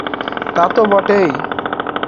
তা তো বটেই!